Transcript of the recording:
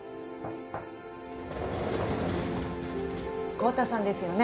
豪太さんですよね？